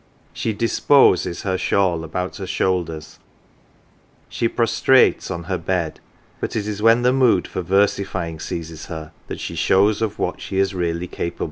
She "disposes" her shawl about her shoulders, she " prostrates " on her bed ; but it is when the mood for versifying seizes her that she shows of what she is really capable.